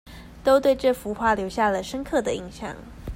都對這幅畫留下了深刻的印象